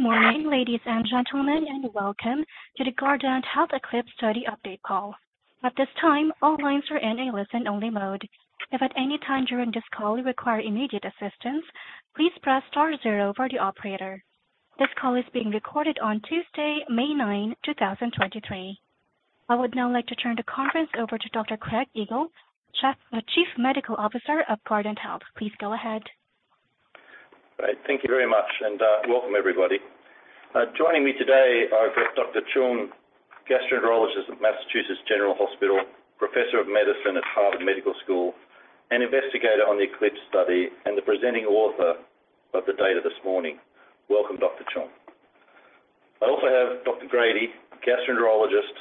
Good morning, ladies and gentlemen, and welcome to the Guardant Health ECLIPSE Study Update Call. At this time, all lines are in a listen-only mode. If at any time during this call you require immediate assistance, please press star zero for the operator. This call is being recorded on Tuesday, May 9th, 2023. I would now like to turn the conference over to Dr. Craig Eagle, Chief Medical Officer of Guardant Health. Please go ahead. Great. Thank you very much and welcome everybody. Joining me today, I've got Dr. Chung, gastroenterologist at Massachusetts General Hospital, Professor of Medicine at Harvard Medical School and investigator on the ECLIPSE study and the presenting author of the data this morning. Welcome, Dr. Chung. I also have Dr. Grady, gastroenterologist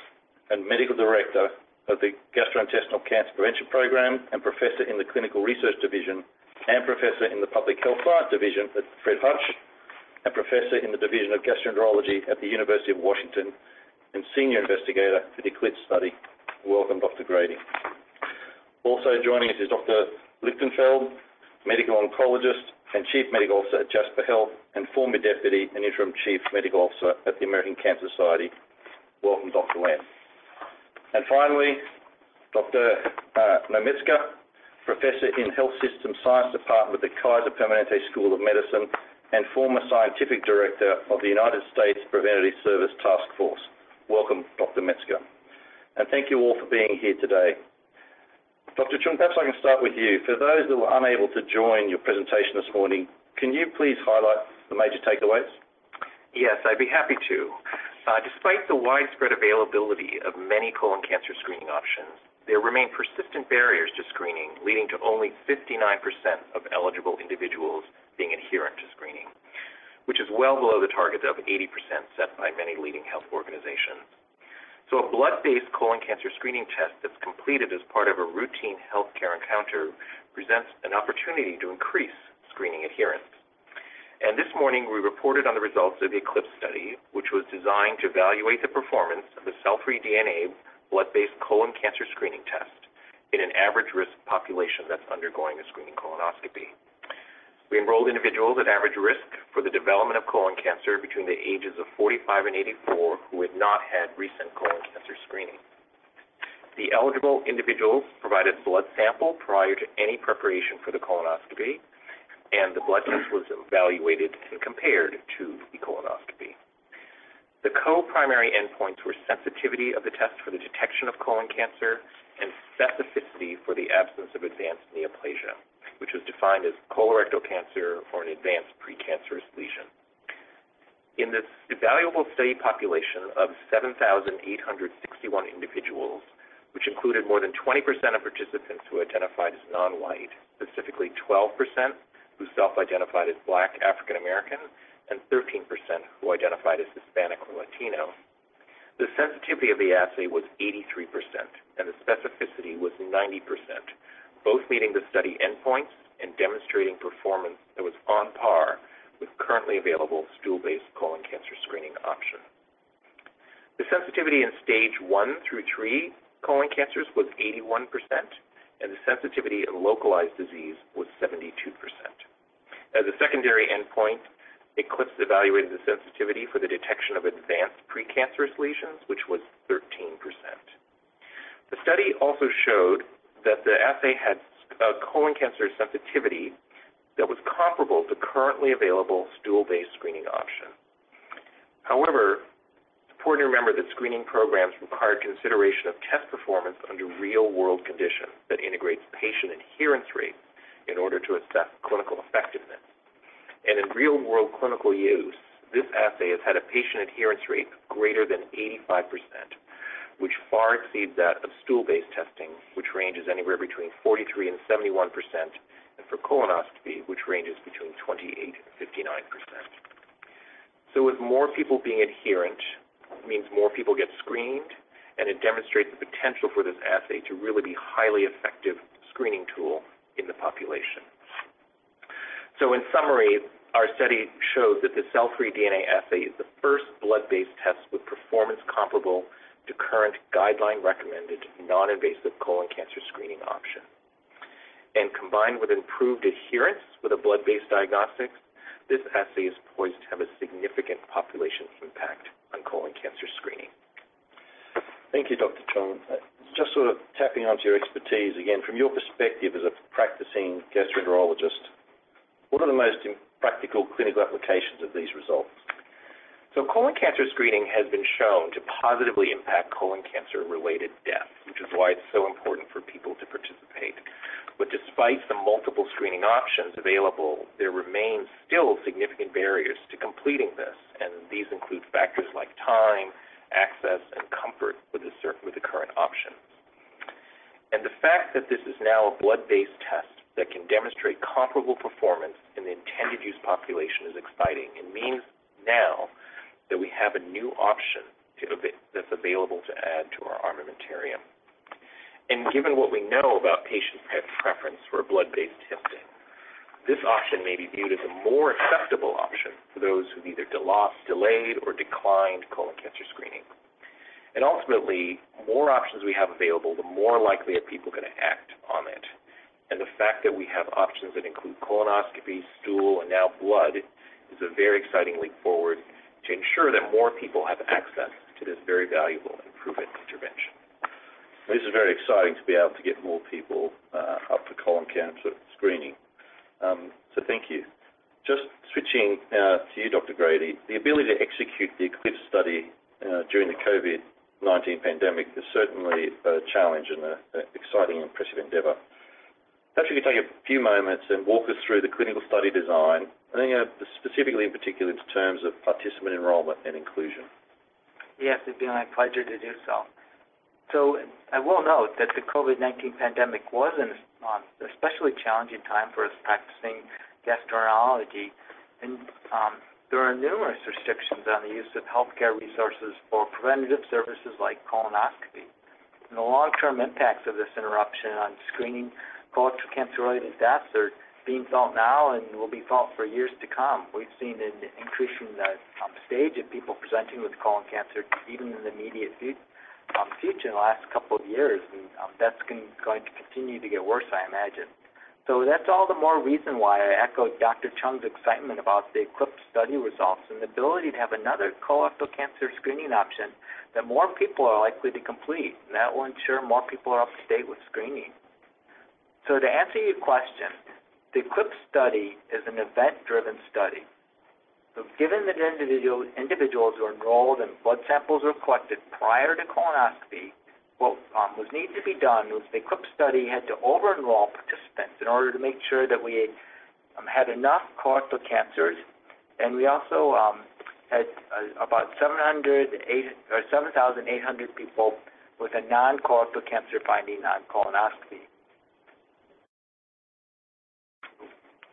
and Medical Director of the Gastrointestinal Cancer Prevention Program and professor in the Clinical Research Division and professor in the Public Health Sciences Division at Fred Hutch, and professor in the Division of Gastroenterology at the University of Washington, and senior investigator for the ECLIPSE study. Welcome, Dr. Grady. Also joining us is Dr. Lichtenfeld, medical oncologist and Chief Medical Officer at Jasper Health and former Deputy and Interim Chief Medical Officer at the American Cancer Society. Welcome, Dr. Len. Finally, Dr. Nomitzka, professor in Health System Science Department at the Kaiser Permanente School of Medicine and former scientific director of the United States Preventive Services Task Force. Welcome, Dr. Metzger. Thank you all for being here today. Dr. Chung, perhaps I can start with you. For those who were unable to join your presentation this morning, can you please highlight the major takeaways? Yes, I'd be happy to. Despite the widespread availability of many colon cancer screening options, there remain persistent barriers to screening, leading to only 59% of eligible individuals being adherent to screening, which is well below the target of 80% set by many leading health organizations. A blood-based colon cancer screening test that's completed as part of a routine healthcare encounter presents an opportunity to increase screening adherence. This morning, we reported on the results of the ECLIPSE study, which was designed to evaluate the performance of a cell-free DNA blood-based colon cancer screening test in an average-risk population that's undergoing a screening colonoscopy. We enrolled individuals at average risk for the development of colon cancer between the ages of 45 and 84 who had not had recent colon cancer screening. The eligible individuals provided blood sample prior to any preparation for the colonoscopy, and the blood test was evaluated and compared to the colonoscopy. The co-primary endpoints were sensitivity of the test for the detection of colon cancer and specificity for the absence of advanced neoplasia, which was defined as colorectal cancer or an advanced precancerous lesion. In this valuable study population of 7,861 individuals, which included more than 20% of participants who identified as non-white, specifically 12% who self-identified as Black African American, and 13% who identified as Hispanic or Latino, the sensitivity of the assay was 83% and the specificity was 90%, both meeting the study endpoints and demonstrating performance that was on par with currently available stool-based colon cancer screening option. The sensitivity in stage I through III colon cancers was 81%, and the sensitivity in localized disease was 72%. As a secondary endpoint, ECLIPSE evaluated the sensitivity for the detection of advanced precancerous lesions, which was 13%. The study also showed that the assay had colon cancer sensitivity that was comparable to currently available stool-based screening option. However, it's important to remember that screening programs require consideration of test performance under real-world conditions that integrates patient adherence rates in order to assess clinical effectiveness. In real-world clinical use, this assay has had a patient adherence rate greater than 85%, which far exceeds that of stool-based testing, which ranges anywhere between 43% and 71%, and for colonoscopy, which ranges between 28% and 59%. With more people being adherent, it means more people get screened, and it demonstrates the potential for this assay to really be highly effective screening tool in the population. In summary, our study shows that the cell-free DNA assay is the first blood-based test with performance comparable to current guideline recommended non-invasive colon cancer screening option. Combined with improved adherence with a blood-based diagnostic, this assay is poised to have a significant population impact on colon cancer screening. Thank you, Dr. Chung. Just sort of tapping onto your expertise, again, from your perspective as a practicing gastroenterologist, what are the most practical clinical applications of these results? Colon cancer screening has been shown to positively impact colon cancer-related death, which is why it's so important for people to participate. Despite the multiple screening options available, there remains still significant barriers to completing this, and these include factors like time, access, and comfort with the current options. The fact that this is now a blood-based test that can demonstrate comparable performance in the intended use population is exciting and means now that we have a new option that's available to add to our armamentarium. Given what we know about patient pre-preference for blood-based testing, this option may be viewed as a more acceptable option for those who've either delayed or declined colon cancer screening. Ultimately, the more options we have available, the more likely are people gonna act on it. The fact that we have options that include colonoscopy, stool, and now blood is a very exciting leap forward to ensure that more people have access to this very valuable preventive intervention. This is very exciting to be able to get more people up to colon cancer screening. Thank you. Just switching to you, Dr. Grady. The ability to execute the ECLIPSE study during the COVID-19 pandemic is certainly a exciting, impressive endeavor. Perhaps you could take a few moments and walk us through the clinical study design and then, you know, specifically in particular to terms of participant enrollment and inclusion. Yes, it'd be my pleasure to do so. I will note that the COVID-19 pandemic was an especially challenging time for us practicing gastroenterology, and there are numerous restrictions on the use of healthcare resources for preventative services like colonoscopy. The long-term impacts of this interruption on screening colorectal cancer-related deaths are being felt now and will be felt for years to come. We've seen an increase in the stage of people presenting with colon cancer even in the immediate future in the last couple of years. That's going to continue to get worse, I imagine. That's all the more reason why I echoed Dr. Chung's excitement about the ECLIPSE study results and the ability to have another colorectal cancer screening option that more people are likely to complete, and that will ensure more people are up to date with screening. To answer your question, the ECLIPSE study is an event-driven study. Given that individuals who are enrolled and blood samples were collected prior to colonoscopy, what was needed to be done was the ECLIPSE study had to over-enroll participants in order to make sure that we had enough colorectal cancers. We also had about 7,800 people with a non-colorectal cancer finding on colonoscopy.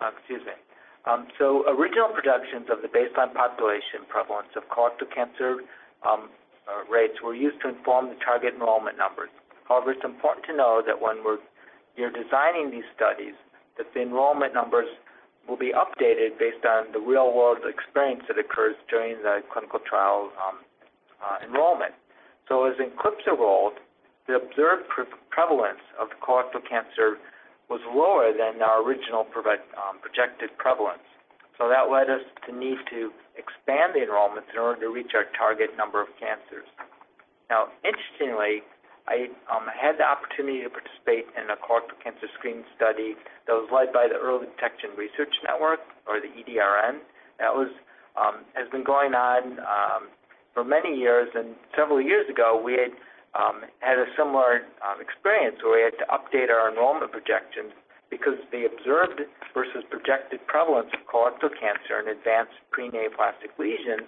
Excuse me. Original projections of the baseline population prevalence of colorectal cancer rates were used to inform the target enrollment numbers. However, it's important to know that when we're, you're designing these studies, that the enrollment numbers will be updated based on the real-world experience that occurs during the clinical trial's enrollment. As in ECLIPSE enrolled, the observed pre-prevalence of colorectal cancer was lower than our original projected prevalence. That led us to need to expand the enrollment in order to reach our target number of cancers. Interestingly, I had the opportunity to participate in a colorectal cancer screening study that was led by the Early Detection Research Network, or the EDRN. That has been going on for many years. Several years ago we had had a similar experience where we had to update our enrollment projections because the observed versus projected prevalence of colorectal cancer and advanced pre-neoplastic lesions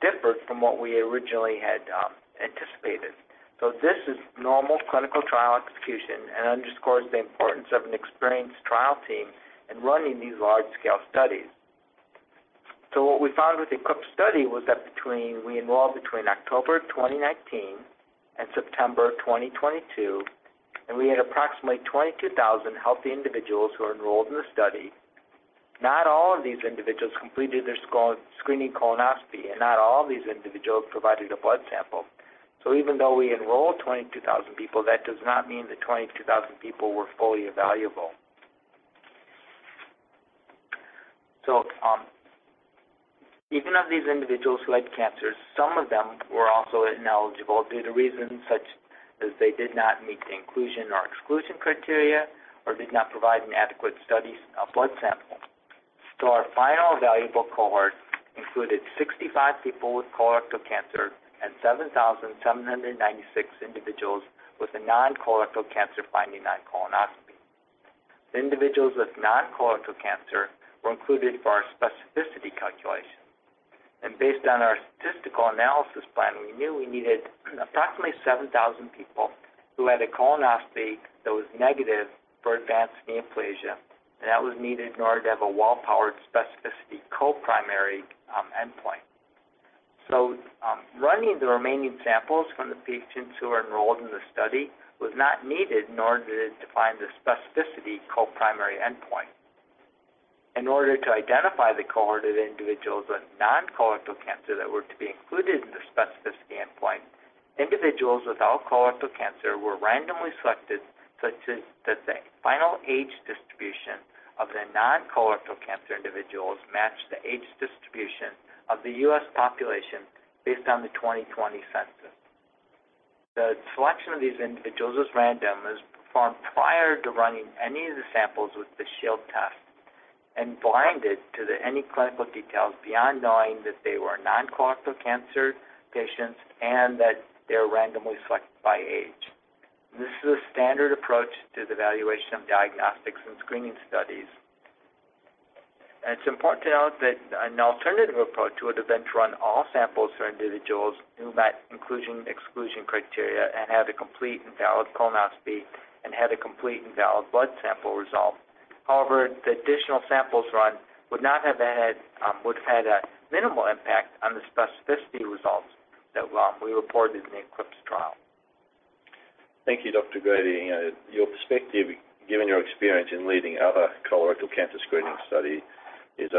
differed from what we originally had anticipated. This is normal clinical trial execution and underscores the importance of an experienced trial team in running these large-scale studies. What we found with the ECLIPSE study was that we enrolled between October 2019 and September 2022, and we had approximately 22,000 healthy individuals who are enrolled in the study. Not all of these individuals completed their screening colonoscopy, and not all of these individuals provided a blood sample. Even though we enrolled 22,000 people, that does not mean that 22,000 people were fully evaluable. Even of these individuals who had cancers, some of them were also ineligible due to reasons such as they did not meet the inclusion or exclusion criteria or did not provide an adequate study blood sample. Our final evaluable cohort included 65 people with colorectal cancer and 7,796 individuals with a non-colorectal cancer finding on colonoscopy. Individuals with non-colorectal cancer were included for our specificity calculation. Based on our statistical analysis plan, we knew we needed approximately 7,000 people who had a colonoscopy that was negative for advanced dysplasia, and that was needed in order to have a well-powered specificity co-primary endpoint. Running the remaining samples from the patients who are enrolled in the study was not needed in order to define the specificity co-primary endpoint. In order to identify the cohort of individuals with non-colorectal cancer that were to be included in the specificity endpoint, individuals without colorectal cancer were randomly selected such that the final age distribution of the non-colorectal cancer individuals matched the age distribution of the U.S. population based on the 2020 census. The selection of these individuals was random, was performed prior to running any of the samples with the Shield test and blinded to the any clinical details beyond knowing that they were non-colorectal cancer patients and that they were randomly selected by age. This is a standard approach to the evaluation of diagnostics in screening studies. It's important to note that an alternative approach would have been to run all samples for individuals who met inclusion and exclusion criteria and had a complete and valid colonoscopy and had a complete and valid blood sample result. However, the additional samples run would've had a minimal impact on the specificity results that we reported in the ECLIPSE trial. Thank you, Dr. Grady. You know, your perspective, given your experience in leading other colorectal cancer screening study, is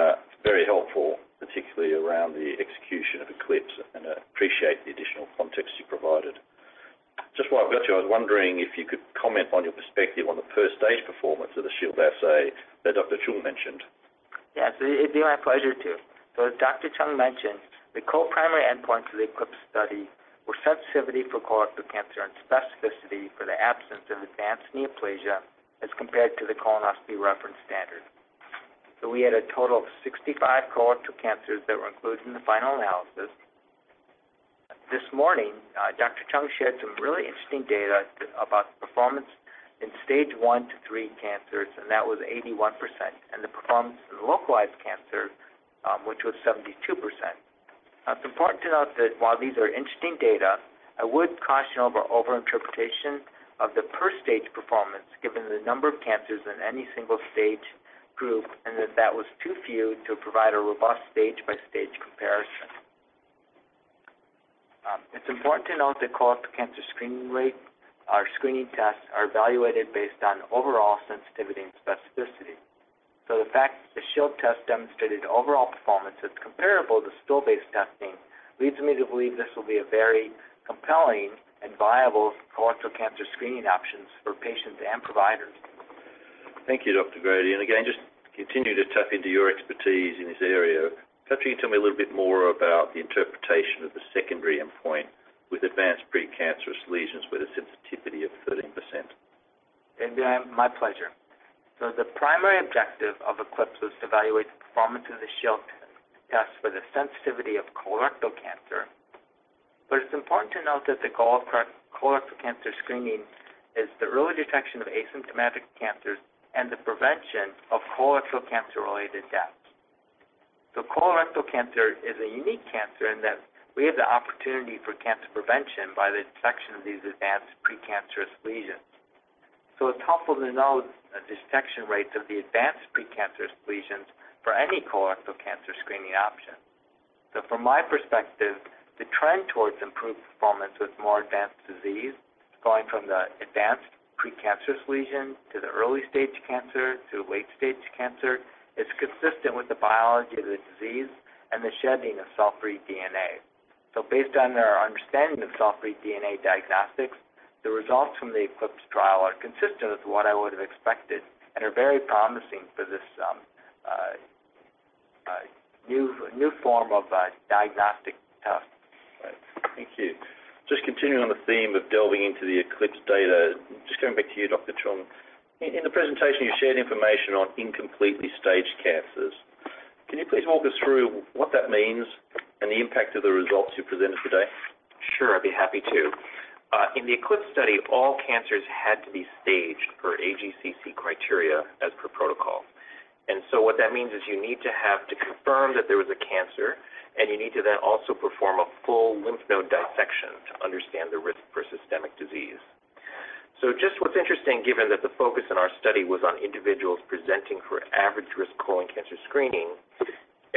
very helpful, particularly around the execution of ECLIPSE and appreciate the additional context you provided. Just while I've got you, I was wondering if you could comment on your perspective on the first stage performance of the Shield assay that Dr. Chung mentioned. Yes, it'd be my pleasure to. As Dr. Chung mentioned, the co-primary endpoints of the ECLIPSE study were sensitivity for colorectal cancer and specificity for the absence of advanced neoplasia as compared to the colonoscopy reference standard. We had a total of 65 colorectal cancers that were included in the final analysis. This morning, Dr. Chung shared some really interesting data about the performance in stage I-III cancers, and that was 81%, and the performance in localized cancer, which was 72%. Now, it's important to note that while these are interesting data, I would caution over over-interpretation of the per stage performance given the number of cancers in any single stage group and that that was too few to provide a robust stage-by-stage comparison. It's important to note the colorectal cancer screening rate. Our screening tests are evaluated based on overall sensitivity and specificity. The fact that the Shield test demonstrated overall performance that's comparable to stool-based testing leads me to believe this will be a very compelling and viable colorectal cancer screening options for patients and providers. Thank you, Dr. Grady. Just continue to tap into your expertise in this area. Perhaps you can tell me a little bit more about the interpretation of the secondary endpoint with advanced precancerous lesions with a sensitivity of 13%. It'd be my pleasure. The primary objective of ECLIPSE was to evaluate the performance of the Shield test for the sensitivity of colorectal cancer. It's important to note that the colorectal cancer screening is the early detection of asymptomatic cancers and the prevention of colorectal cancer-related deaths. Colorectal cancer is a unique cancer in that we have the opportunity for cancer prevention by the detection of these advanced precancerous lesions. It's helpful to note the detection rates of the advanced precancerous lesions for any colorectal cancer screening option. From my perspective, the trend towards improved performance with more advanced disease, going from the advanced precancerous lesion to the early stage cancer to late stage cancer, is consistent with the biology of the disease and the shedding of cell-free DNA. Based on our understanding of cell-free DNA diagnostics, the results from the ECLIPSE trial are consistent with what I would have expected and are very promising for this new form of a diagnostic test. Right. Thank you. Just continuing on the theme of delving into the ECLIPSE data, just going back to you, Dr. Chung. In the presentation, you shared information on incompletely staged cancers. Can you please walk us through what that means and the impact of the results you presented today? Sure, I'd be happy to. In the ECLIPSE study, all cancers had to be staged per AJCC criteria as per protocol. What that means is you need to have to confirm that there was a cancer, and you need to then also perform a full lymph node dissection to understand the risk for systemic disease. What's interesting, given that the focus in our study was on individuals presenting for average-risk colon cancer screening,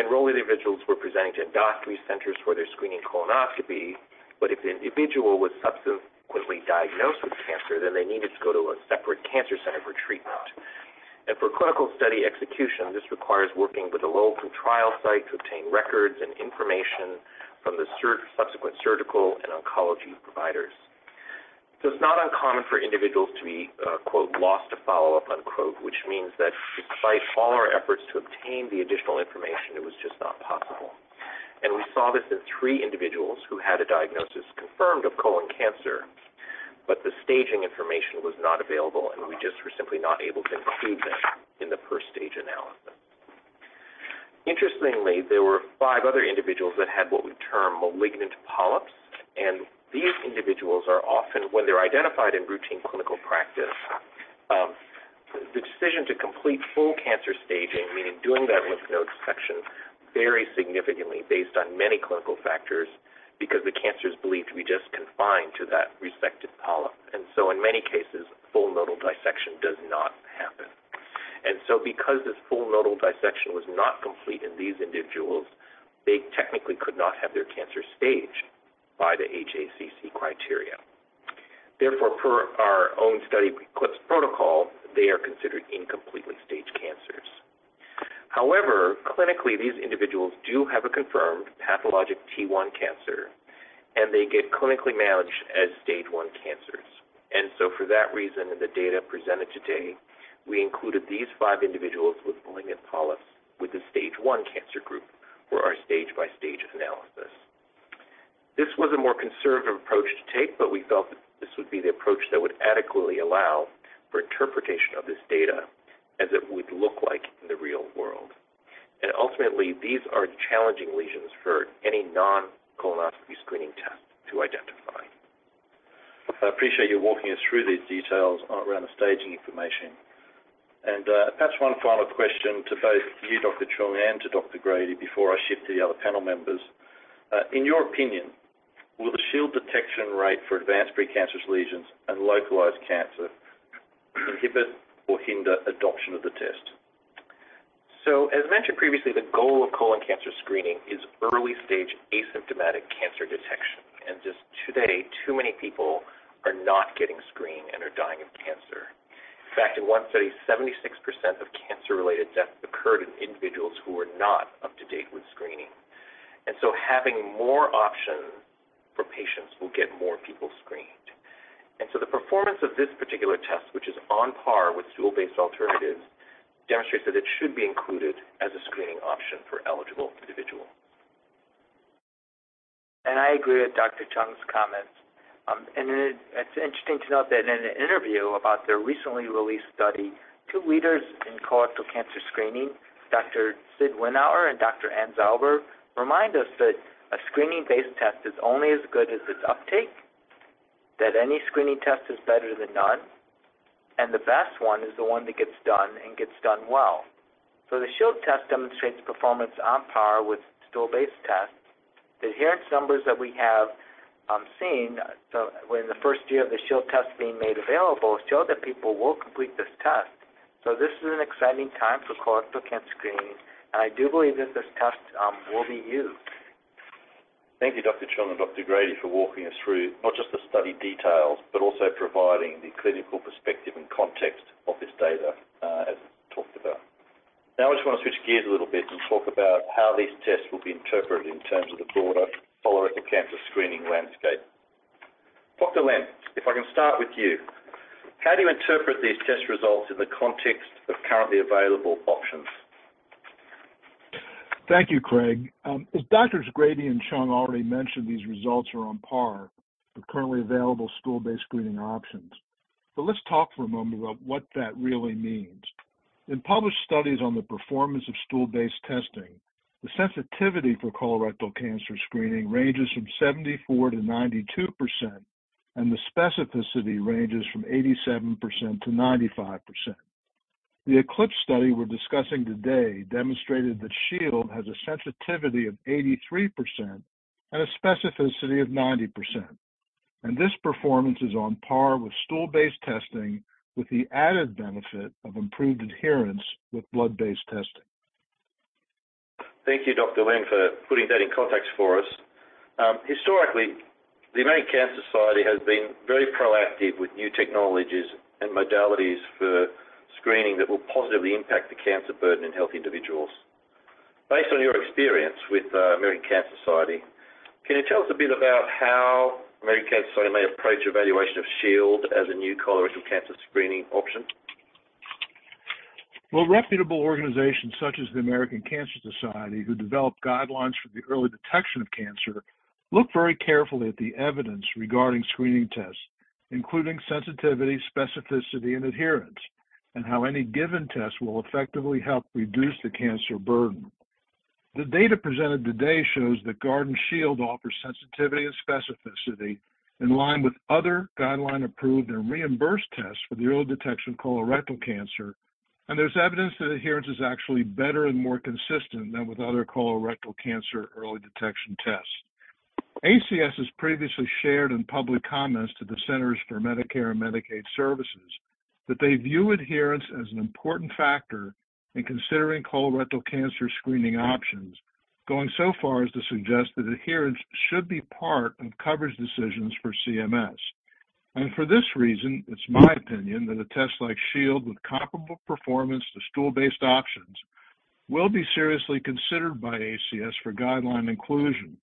enrolled individuals were presenting to endoscopy centers for their screening colonoscopy. If the individual was subsequently diagnosed with cancer, then they needed to go to a separate cancer center for treatment. For clinical study execution, this requires working with the local trial site to obtain records and information from the subsequent surgical and oncology providers. It's not uncommon for individuals to be, “lost to follow-up,” which means that despite all our efforts to obtain the additional information, it was just not possible. We saw this in three individuals who had a diagnosis confirmed of colon cancer, but the staging information was not available, and we just were simply not able to include them in the per stage analysis. Interestingly, there were five other individuals that had what we term malignant polyps, and these individuals are often when they're identified in routine clinical practice, the decision to complete full cancer staging, meaning doing that lymph node dissection, vary significantly based on many clinical factors because the cancer is believed to be just confined to that resected polyp. In many cases, full nodal dissection does not happen. Because this full nodal dissection was not complete in these individuals, they technically could not have their cancer staged by the AJCC criteria. Therefore, per our own study ECLIPSE protocol, they are considered incompletely staged cancers. However, clinically, these individuals do have a confirmed pathologic T1 cancer, and they get clinically managed as stage 1 cancers. For that reason, in the data presented today, we included these five individuals with malignant polyps with the stage I cancer group for our stage-by-stage analysis. This was a more conservative approach to take, but we felt that this would be the approach that would adequately allow for interpretation of this data as it would look like in the real world. Ultimately, these are challenging lesions for any non-colonoscopy screening test to identify. I appreciate you walking us through these details around the staging information. Perhaps one final question to both you, Dr. Chung, and to Dr. Grady before I shift to the other panel members. In your opinion, will the Shield detection rate for advanced precancerous lesions and localized cancer inhibit or hinder adoption of the test? As mentioned previously, the goal of colon cancer screening is early-stage asymptomatic cancer detection. Just today, too many people are not getting screened and are dying of cancer. In fact, in one study, 76% of cancer-related deaths occurred in individuals who were not up to date with screening. Having more options for patients will get more people screened. The performance of this particular test, which is on par with stool-based alternatives, demonstrates that it should be included as a screening option for eligible individuals. I agree with Dr. Chung's comments. It's interesting to note that in an interview about their recently released study, two leaders in colorectal cancer screening, Dr. Sidney Winawer and Dr. Ann Zauber, remind us that a screening-based test is only as good as its uptake, that any screening test is better than none, and the best one is the one that gets done and gets done well. The Shield test demonstrates performance on par with stool-based tests. The adherence numbers that we have seen so in the first year of the Shield test being made available show that people will complete this test. This is an exciting time for colorectal cancer screening, and I do believe that this test will be used. Thank you, Dr. Chung and Dr. Grady, for walking us through not just the study details, but also providing the clinical perspective and context of this data, as talked about. I just wanna switch gears a little bit and talk about how these tests will be interpreted in terms of the broader colorectal cancer screening landscape. Dr. Len, if I can start with you. How do you interpret these test results in the context of currently available options? Thank you, Craig. As Doctors Grady and Chung already mentioned, these results are on par with currently available stool-based screening options. Let's talk for a moment about what that really means. In published studies on the performance of stool-based testing, the sensitivity for colorectal cancer screening ranges from 74%-92%, and the specificity ranges from 87%-95%. The ECLIPSE study we're discussing today demonstrated that Shield has a sensitivity of 83% and a specificity of 90%. This performance is on par with stool-based testing with the added benefit of improved adherence with blood-based testing. Thank you, Dr. Len, for putting that in context for us. Historically, the American Cancer Society has been very proactive with new technologies and modalities for screening that will positively impact the cancer burden in healthy individuals. Based on your experience with American Cancer Society, can you tell us a bit about how American Cancer Society may approach evaluation of Shield as a new colorectal cancer screening option? Well, reputable organizations such as the American Cancer Society, who develop guidelines for the early detection of cancer, look very carefully at the evidence regarding screening tests, including sensitivity, specificity, and adherence, and how any given test will effectively help reduce the cancer burden. The data presented today shows that Guardant Shield offers sensitivity and specificity in line with other guideline-approved and reimbursed tests for the early detection of colorectal cancer, and there's evidence that adherence is actually better and more consistent than with other colorectal cancer early detection tests. ACS has previously shared in public comments to the Centers for Medicare & Medicaid Services that they view adherence as an important factor in considering colorectal cancer screening options, going so far as to suggest that adherence should be part of coverage decisions for CMS. For this reason, it's my opinion that a test like Shield with comparable performance to stool-based options will be seriously considered by ACS for guideline inclusion,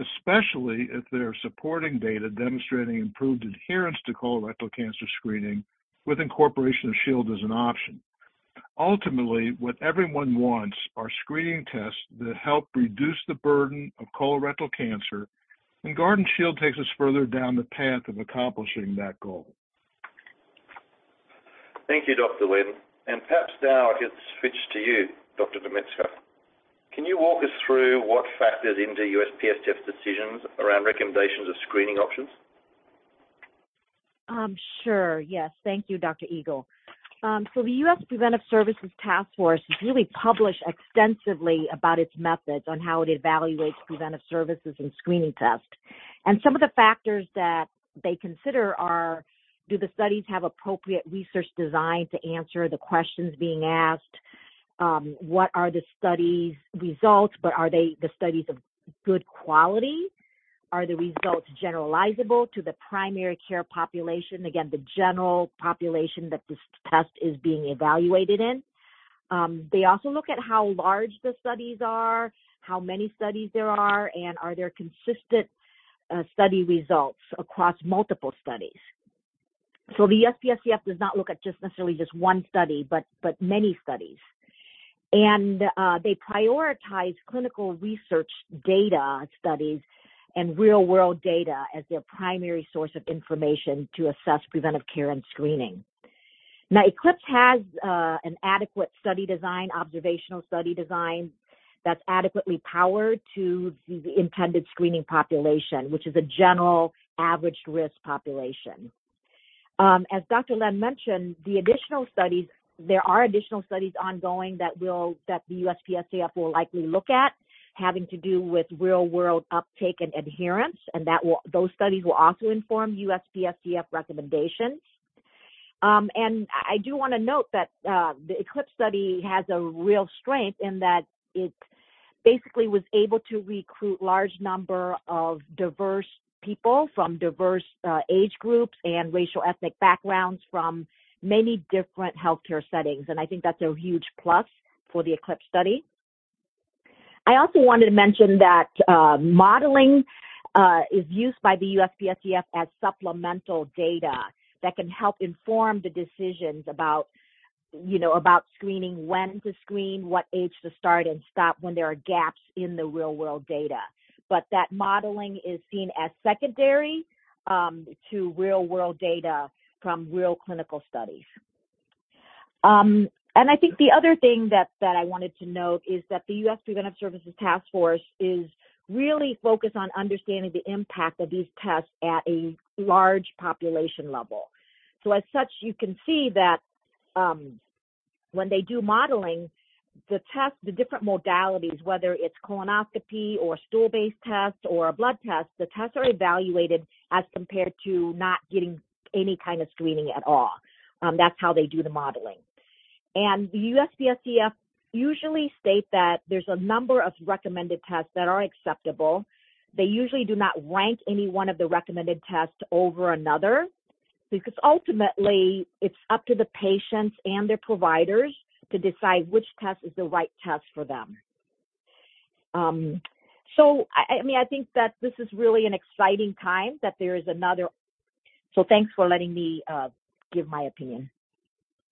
especially if there are supporting data demonstrating improved adherence to colorectal cancer screening with incorporation of Shield as an option. Ultimately, what everyone wants are screening tests that help reduce the burden of colorectal cancer, Guardant Shield takes us further down the path of accomplishing that goal. Thank you, Dr. Len. Perhaps now if it's switched to you, Dr. Doubeni. Can you walk us through what factors into USPSTF decisions around recommendations of screening options? Sure. Yes. Thank you, Dr. Eagle. The U.S. Preventive Services Task Force has really published extensively about its methods on how it evaluates preventive services and screening tests. Some of the factors that they consider are, do the studies have appropriate research design to answer the questions being asked? What are the studies results, but are they the studies of good quality? Are the results generalizable to the primary care population? Again, the general population that this test is being evaluated in. They also look at how large the studies are, how many studies there are, and are there consistent study results across multiple studies. The USPSTF does not look at just necessarily just one study, but many studies. They prioritize clinical research data studies and real-world data as their primary source of information to assess preventive care and screening. ECLIPSE has an adequate study design, observational study design that's adequately powered to the intended screening population, which is a general average-risk population. As Dr. Len mentioned, there are additional studies ongoing that the USPSTF will likely look at having to do with real-world uptake and adherence, and those studies will also inform USPSTF recommendations. I do want to note that the ECLIPSE study has a real strength in that it basically was able to recruit large number of diverse people from diverse age groups and racial ethnic backgrounds from many different healthcare settings, and I think that's a huge plus for the ECLIPSE study. I also wanted to mention that modeling is used by the USPSTF as supplemental data that can help inform the decisions about, you know, about screening, when to screen, what age to start and stop when there are gaps in the real world data. That modeling is seen as secondary to real world data from real clinical studies. I think the other thing that I wanted to note is that the U.S. Preventive Services Task Force is really focused on understanding the impact of these tests at a large population level. As such, you can see that when they do modeling the test, the different modalities, whether it's colonoscopy or stool-based tests or a blood test, the tests are evaluated as compared to not getting any kind of screening at all. That's how they do the modeling. The USPSTF usually state that there's a number of recommended tests that are acceptable. They usually do not rank any one of the recommended tests over another because ultimately it's up to the patients and their providers to decide which test is the right test for them. I mean, I think that this is really an exciting time that there is another... Thanks for letting me give my opinion.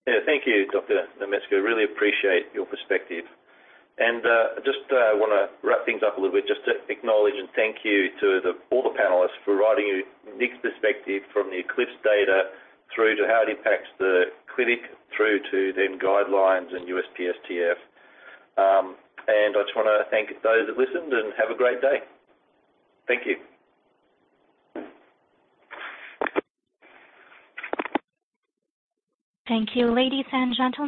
Yeah. Thank you, Dr. Dubeni. Really appreciate your perspective. Just wanna wrap things up a little bit just to acknowledge and thank you to all the panelists for providing a unique perspective from the ECLIPSE data through to how it impacts the clinic through to then guidelines and USPSTF. I just wanna thank those that listened, and have a great day. Thank you. Thank you, ladies and gentlemen.